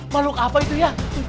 malu apa itu ya